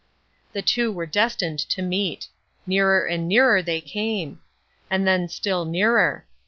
The two were destined to meet. Nearer and nearer they came. And then still nearer.